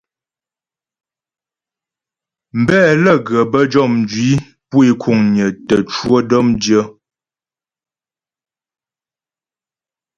Mbɛ lə́ ghə bə́ jɔ mjwǐ pu é kuŋnyə tə cwə dɔ̌mdyə.